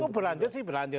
berlanjur sih berlanjur